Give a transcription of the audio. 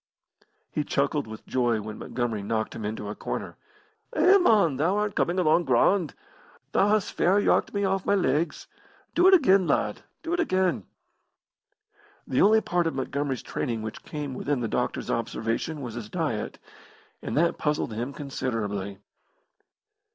He chuckled with joy when Montgomery knocked him into a corner. "Eh, mon, thou art coming along grand. Thou hast fair yarked me off my legs. Do it again, lad, do it again!" The only part of Montgomery's training which came within the doctor's observation was his diet, and that puzzled him considerably.